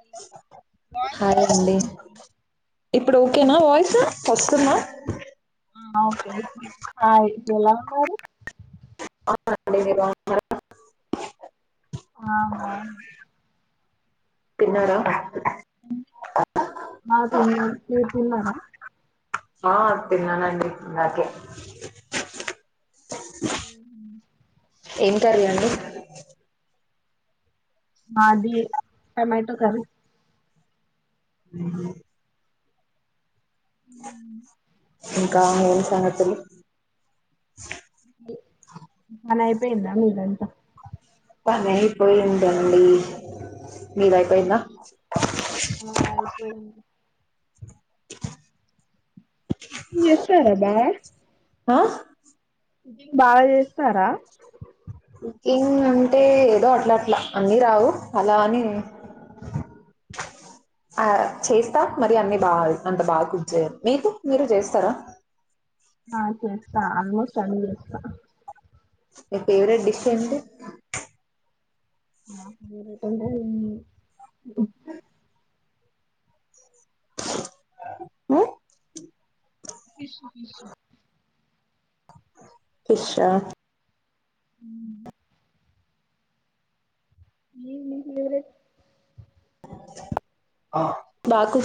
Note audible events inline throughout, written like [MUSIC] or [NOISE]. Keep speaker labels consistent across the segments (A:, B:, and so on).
A: Hello voice
B: hi
A: disturb
B: అండి
A: అవుతుంది
B: ఇప్పుడు ఓకేనా వాయిస్ తట్టుకున్నా
A: ఆ ఓకే ఇప్పుడు ఎలా ఉన్నారు
B: అ అ [UNINTELLIGIBLE]
A: ఆా [UNINTELLIGIBLE]
B: తిన్నార
A: ఆ తిన్నా మీరు తిన్నార
B: ఆ తిన్నానండి ఇందాకే
A: అఓ [UNINTELLIGIBLE]
B: ఏం కర్రీ అండి
A: మాది టమాటో కర్రీ
B: అ
A: ఉం
B: ఇంకా ఏం సంగతులు
A: పనిఅయిపోయిందా మీదంత
B: పనైయిపోయిందండి మీరై పోయిందా
A: ఆ అయిపోయింది ఎస్తారాబా [UNINTELLIGIBLE]
B: ఆ
A: బాగ చేస్తారా
B: కుకింగ్ అంటే ఏదో అట్లా అట్లా అన్నీ రావు అలా అని ఆ చేస్తా మరి అన్ని బాగా అంత బాగా కుర్చయ మీకు మీరు చేస్తారా
A: ఆ చేస్తా ఆల్మోస్ట్ అన్ని చేస్తా
B: మీ ఫేవరెట్ డిష్ ఎంటి
A: నా ఫేవరేట్ అంటే ఏమి లేదు
B: ఉం
A: ఫిష్ ఫిష్
B: ఫిష్ ఆ
A: ఉం ఏంది నీ ఫేవరేట్
B: ఆ బాకు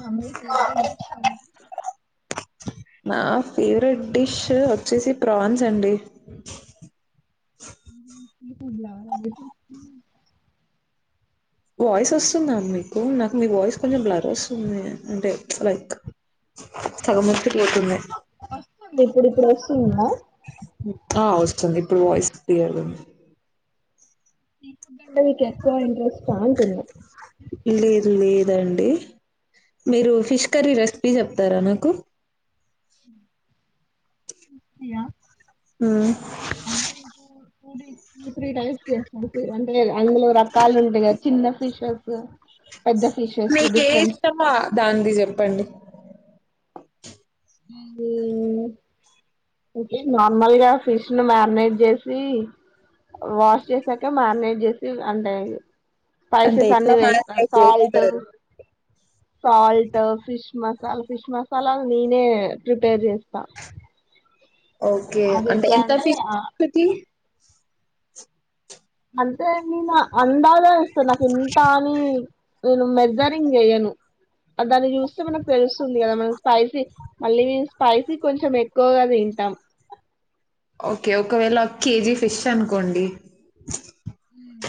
A: ఆ మీ ఫేవరేట్ డిష్ ఎంటి
B: నా ఫేవరెట్ డిష్ వచ్చేసి ప్రాన్స్ అండి అ
A: కులాకు [UNINTELLIGIBLE]
B: వాయిస్ వస్తుందా మీకు నాకు మీ వాయిస్ కొంచెం బ్లర్ వస్తుంది అంటే లైక్ సగం వచ్చి పోతుంది
A: వస్తుంది ఇప్పుడు ఇప్పుడు వస్తుంద
B: ఆ వస్తుంది ఇప్పుడు వాయిస్ క్లియర్గ ఉంది
A: సీ ఫుడ్ అంటే మీకు ఎక్కువ ఇంట్రెస్ట్ అ అంటుంది
B: లేదు లేదండి మీరు ఫిష్ కర్రీ రెసిపీ చెప్తారా నాకు
A: యా
B: ఆ
A: అంటే టూ డ టూ త్రీ టైమ్స్ చేస్త అంటే అందులో రకాలు ఉంటాయి కదా చిన్న ఫిషర్ త
B: మీకే ఇష్టమా దానిది చెప్పండి
A: నింగే అంటే నార్మల్గా ఫిష్ ను మ్యారినేట్ చేసి వాష్ చేసాక మారినేట్ చేసి అంటె
B: అంటే
A: స్పైపైసెస్
B: ఎట్లా
A: అన్ని వేస్త
B: మ్యారినేట్
A: సాల్ట్
B: చేస్తారు?
A: Salt fish masala fish masala నేనే ప్రిపేర్ చేస్ త
B: ఓకే అంటే ఎంత ఫీష్ కి
A: అంతే నేను అందా కేస్తా నాకు ఎంత అని నేను మెజరింగ్ చెయ్యను దాన్ని చూస్తే మనకు తెలుస్తుంది కదా మనం స్పైసీ మళ్ళీ స్పైసీ కొంచెం ఎక్కువగా తింటాం
B: ఓకే ఒకవేళ ఒక కేజీ ఫిష్ అనుకోండి
A: ఏం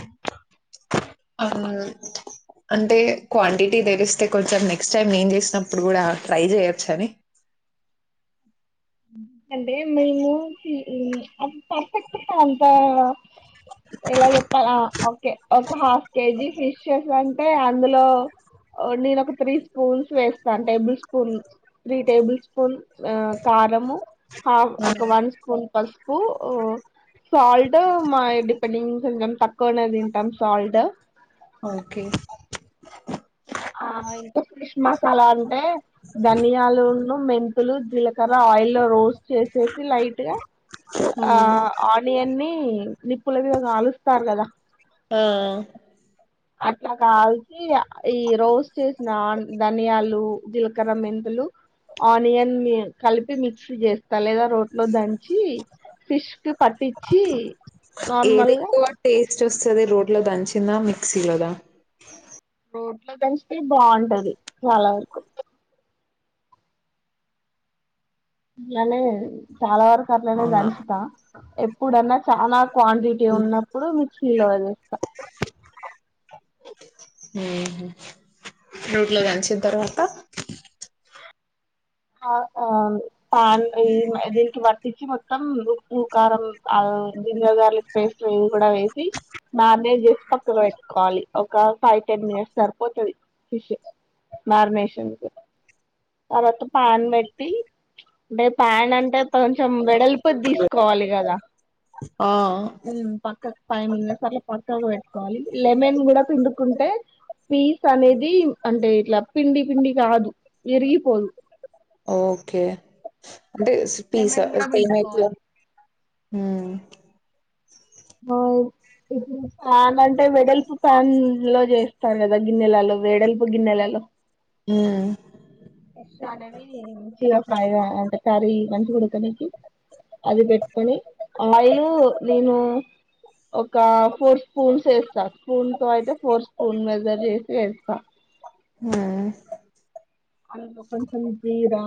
B: అవును అంటే క్వాంటిటీ తెలీస్తే కొంచెం నెక్స్ట్ టైమ్ నేను చేసినప్పుడు కూడా ట్రై చేయొచ్చని
A: ఎందుకంటే మేము అది పర్ఫెక్ట్గా అంత ఏలా చెప్పాల ఆ ఒకే ఒక హాఫ్ కేజీ ఫిషసంటే అందులో ఒ నేను ఒక త్రీ స్పూన్స్ వేస్తాను tablespoon three tablespoon ఆ కారము హాఫ్
B: ఆ
A: ఒక వన్ స్పూన్ పసుపు సాల్ట్ మై డిపెండింగ్ కొంచం తక్కువనే తింటాం సాల్ట్
B: ఓకే
A: ఆ ఇంకా ఫిష్ మసాలా అంటే ధనియాలు మెంతులు జీలకర్ర ఆయిల్లో రోస్ట్ చేసేసి లైట్ గా ఆ ఆనియన్ని నిప్పుల మీద కాలుస్తారు కదా
B: ఆ
A: అట్లా కాల్సి ఈ రోస్ చేసిన ధనియాలు జీలకర్ర మెంతు ఆనియన్ కలిపి మిక్సి చేస్తా లేదా రోట్లో దంచి ఫిష్ కు పట్టిచ్చి
B: ఏది ఎక్కువ టేస్ట్ వస్తది రోట్లో దంచిందా మిక్సీలోదా
A: రోట్లో దంచినై బాగుంటది చాలా వరకు ఇన్లనే చాలా వరకు అట్లనే
B: అవునా
A: దంచుతా ఎప్పుడన్నా చానా క్వాంటిటీ ఉన్నప్పుడు మిక్సీలోది
B: రోట్ లో దంచిన తర్వాత
A: ఆ ఆ పాన్ ఈ దీనికి వటిచ్చి మొత్తం ఉప్పు కారం జింజర్ గార్లిక్ పేస్ట్ ఇది కూడా వేసి మ్యారినేట్ చేసి పక్కకు పెట్టుకోవాలి ఒక ఫైవ్ టెన్ మినిట్స్ సరిపోతది ఫిష్ మ్యారినేషన్కు తర్వాత పాన్ పెట్టి అంటే ప్యాన్ అంటే కొంచెం వెడల్పుది తీసుకోవాలి కదా
B: ఆ
A: ఉమ్ పక్కకు ఫైవ్ మినిట్స్ అట్లా పక్కాకు పెట్టుకోవాలి లెమన్ కూడా పిండుకుంటే పీస్ అనేది అంటే ఇట్లా పిండి పిండి కాదు విరిగిపోదు
B: ఓకే అంటే పీస
A: లెమన్ కూడా
B: ఎస్తే ఏమైతద
A: పిండుకోవాలి
B: ఉమ్
A: బాయ్ ఇప్పుడు ప్యాన్ అంటే వెడల్పు ప్యాన్ లో చేస్తారు కదా గిన్నెలలో వెడల్పు గిన్నెలలో
B: హ్మ్
A: [UNINTELLIGIBLE] అది పెట్టుకొని ఆయిల్ నేను ఒక ఫోర్ స్పూన్స్ వేస సాత్ స్పూన్ తో అయితే ఫోర్ స్పూన్ మెజర్ చేసి వేస్తా
B: హ్మ్
A: అందులో కొంచం జీరా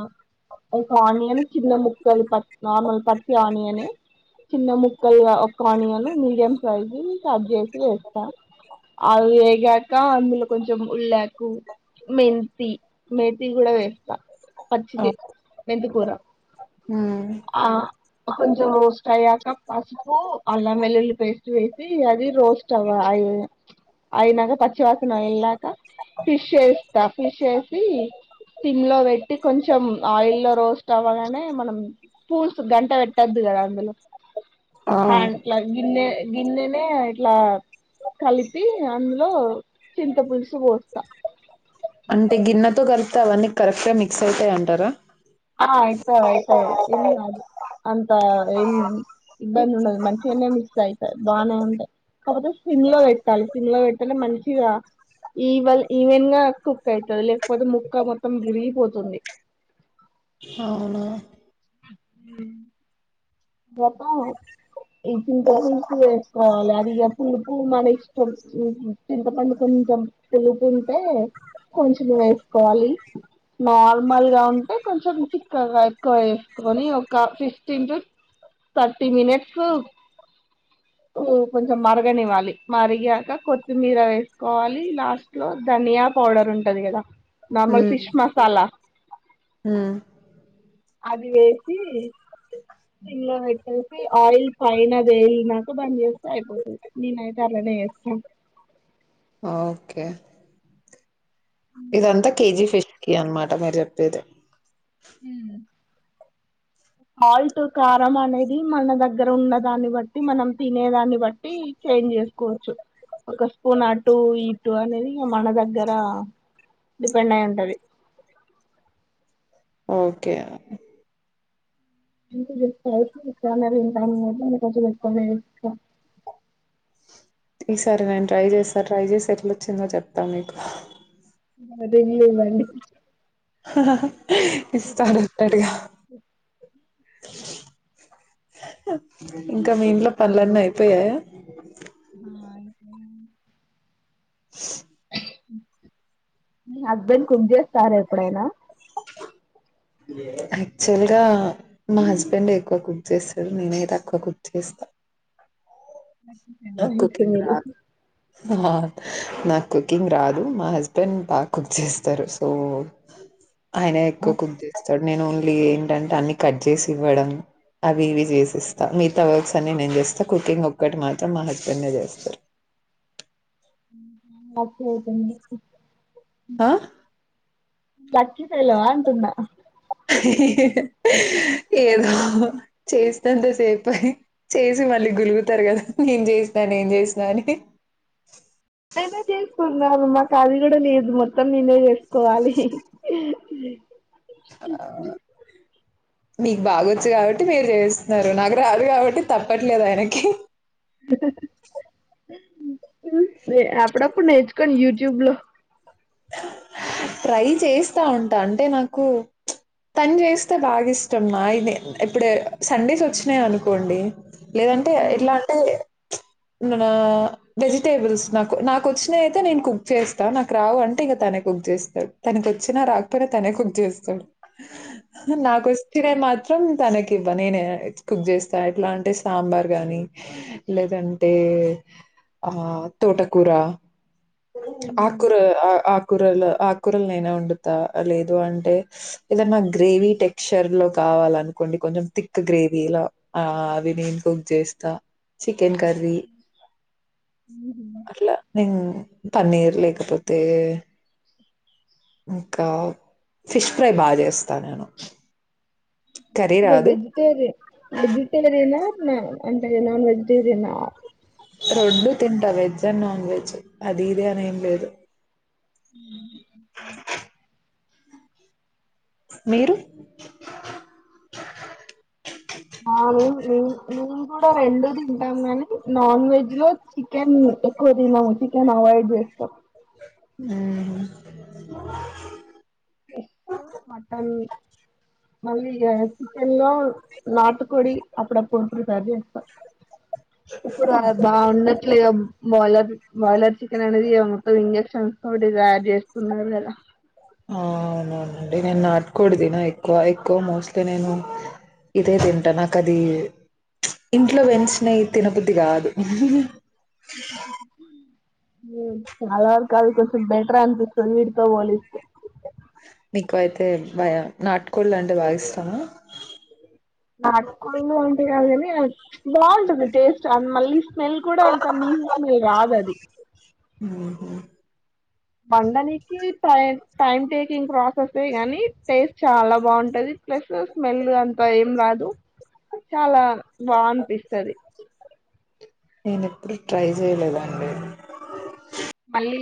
A: ఒక ఆనియన్ చిన్న ముక్కలు పట్ నార్మల్ పచ్చి ఆనియనే చిన్న ముక్కలుగా ఒక్క ఆనియన్ మీడియం సైజ్ కట్ చేసి వేస్తా అవి వేగాక అందులో కొంచెం ఉళ్ళకు మెంతి మేతి కూడా వేస్తా
B: ఆ
A: పచ్చిది మెంతి కూర
B: ఉమ్
A: ఆ కొంచెం రోస్ట్ అయ్యాక పసుపు అల్లం వెల్లుల్లి పేస్ట్ వేసి అది రోస్ట్ అవ్వాలి అయినాక పచ్చివాసన అయిలాక ఫిష్ వేస్తా ఫిష్ వేసి సిమ్ము లో పెట్టి కొంచెం ఆయిల్ లో రోస్ట్ అవ్వగానే మనం పూర్సు గరిట పెట్టద్ కదా అందులో
B: ఆ
A: హా ఇట్ల గిన్నె గిన్నె నేఇట్లా కలిపి అందులో చింత పులుసు పోస్తా
B: అంటే గిన్నెతో కలిపితే అవన్నీ కరెక్ట్గా మిక్స్ అవుతాయి అంటారా
A: అయితాయి అయితాయి గిన్నె అంతా ఏం ఇబ్బంది ఉండదు మంచిగానే మిక్స్ అయితాయి బానే ఉంటయి కాకపోతే సిమ్ములో పెట్టాలి సిమ్ములో పెడితేనే మంచిగా ఈవాళ్ ఈవెన్ గా కుక్ అవుతుంది లేకపోతే ముక్క మొత్తం విరిగిపోతుంది
B: అ
A: [UNINTELLIGIBLE] ఈ చింత పులుసు వేసుకోవాలి అది ఇక పులుపు మన ఇష్టం చింతపండుకు కొంచెం పులుపు ఉంటే కొంచెం వేసుకోవాలి నార్మల్గా ఉంటే కొంచెం చిక్కగా ఎక్కువ వేసు కొని ఒక ఫిఫ్టీన్ టు థర్టీ మినిట్స్
B: [UNINTELLIGIBLE]
A: కొంచెం మరగనివ్వాలి మరిగాక కొత్తిమీర వేసుకోవాలి లాస్ట్ లో ధనియా పౌడర్ ఉంటంది కదా నార్మల్ ఫిష్ మసాలా
B: హ్మ్
A: అది వేసి సిమ్లో పెట్టేసి ఆయిల్ పైన అది వేయి నాక బంద్ చేస్తే అయిపోతుంది నేనయితే అలానే చేస్తాం
B: ఆ ఇదంతా కేజీ ఫిష్ కి అన్నమాట మీరు చెప్పేది
A: హ్మ్ సాల్ట్ కారం అనేది మన దగ్గర ఉన్న దాన్ని బట్టి మనం తినేదాన్ని బట్టి చేంజ్ చేసుకోవచ్చు ఒక స్పూన్ అటు ఇటు అనేది మన దగ్గర డిపెండ్ అయి ఉంటది
B: ఓకే
A: [UNINTELLIGIBLE]
B: [UNINTELLIGIBLE] ఈసారి నేను ట్రై చేస్తా ట్రై చేసి ఎట్లోచ్చిందో చెప్తా మీకు
A: [UNINTELLIGIBLE]
B: ఇస్తానంటడుగా ఇంకా మీ ఇంట్లో పనులన్నీ అయిపోయాయ
A: ఆ అయిపోయినాయి మీ హస్బెండ్ కుక్ చేస్తారా ఎప్పుడైనా
B: యాక్చువల్ గా మా హస్బెండ్ ఎక్కువ కుక్ చేస్తాడు నేనే తక్కువ కుక్ చేస్తా నాకు
A: అయితే
B: కుకింగ్
A: మీరు
B: రాదు వా నా కుకింగ్ రాదు మా హస్బెండ్ బాగా కుక్ చేస్తారు సో ఆయన ఎక్కువ కుక్ చేస్తాడు నేను ఓన్లీ ఏంటంటే అన్ని కట్ చేసి ఇవ్వడం అవి ఇవి చేసిస్తా మిగతా వర్క్స్ అన్ని నేను చేస్తా కుకింగ్ ఒక్కటి మా త మా హస్బెండే చేస్తారు
A: ఉహు లక్కీ అయితే మీరు
B: ఆ
A: లక్కీ ఫెలో అంటున్నా
B: ఏదో చేస్తాంతసేపే చేసి మళ్ళీ గులుగుతారు కదా నేను చేసిన నేను చేసినా అని అ
A: నేనే చేసుకున్నాను మాకు అది కూడా లేదు మొత్తం నేనే చేసుకోవాలి
B: మీకు బాగొచ్చు కాబట్టి మీరు చేస్తున్నారు నాకు రాదు కాబట్టి తప్పట్లేదు ఆయనకి
A: అద అప్పుడప్పుడు నేర్చుకొని యూట్యూబ్ లో
B: ట్రై చేస్తా ఉంటా అంటే నాకు తను చేస్తే బాగా ఇష్టమ ఇది ఇప్పుడు సండేస్ వచ్చినాయి అనుకోండి లేదంటే ఎట్లా అంటే నా వెజిటేబుల్స్ నాకు నాకొచ్చినవి అయితే నేను కుక్ చేస్తా నాకు రావు అంటే ఇక తను నా కుక్ చేస్తాడు తనకి వచ్చినా రాకపోయినా తనే కుక్ చేస్తాడు నాకొచ్చినవి మా మాత్రం తనకి ఇవ్వ నేనే కుక్ చేస్తా ఎట్లా అంటే సాంబార్ గాని లేదన్ తే ఆ తోటకూర ఆకూర ఆకూరలు ఆకూరలు నేనే వండుతా లేదు అంటే ఏదన్న గ్రే గ్రేవీ టెక్స్చర్ లో కావాలనుకోండి కొంచెం థిక్ గ్రేవీలా ఆ అవి నేను కుక్ చేస్తా చికెన్ కర్రీ అట్లా న పన్నీర్ లేకపోతే ఇంకా ఫిష్ ఫ్రై బాగా చేస్తా నేను కర్రీ రాదు.
A: వెజిటేరియన్ వెజిటేరియన్ అర అంతే కదా వెజిటేరియన్
B: రొండు తింటా వెజ్ అండ్ నాన్ వెజ్ అది ఇది అని ఏంలేదు.
A: ఉ
B: మీరు?
A: మేం మేము కూడా రెండు తింటాం కాని, నాన్ వెజ్ లో చికెన్ ఎక్కువ తినము. చికెన్ అవయిడ్ చేస్తా
B: ఉ
A: ఎగ్, మటన్ మళ్ళీ చికెన్ లో నాటు కొడి అప్పుడప్పుడు ప్రిపేర్ చేస్తారు ఇప్పుడు బాగుండట్లేదు బాయిలర్ బాయిలర్ చికెన్ అనేది మొత్తం ఇంజక్షన్స్ తోటి తయారు చేసుకున్నారు కదా
B: అవునవునండి నేను నాటుకోడి తిన ఎక్కువ ఎక్కువ మోస్ట్లీ నేను ఇదే తింటా నాకు అది ఇంట్లో పెంచినవి తినబుద్ది కాదు
A: ఉ చాలా వర కాలు కొంచెం బెటర్ అనిపిస్తుంది వీటితో పోలిస్తే
B: మీకు అయితే భయం నాటుకోళ్లు అంటే బాగా ఇష్టమ
A: నాటుకోళ్ళు అంటే కాదు కాని బాగుంటది టేస్ట్ అది మళ్ళీ స్మెల్ కూడా అంత నీసు స్మెల్ రాదు అది
B: మ్హూ.
A: వండనికి టైం టైమ్ టేకింగ్ ప్రాసెసే గానీ టేస్ట్ చాలా బావుంటది. ప్లస్ స్మెల్ అంతా ఏం రాదు. చాలా బాఅనిపిస్తది.
B: నేను ఎప్పుడు ట్రై చేయలేదండి.
A: మళ్ళీ